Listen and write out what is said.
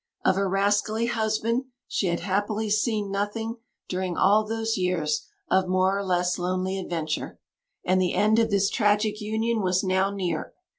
Of her rascally husband she had happily seen nothing during all those years of more or less lonely adventure; and the end of this tragic union was now near.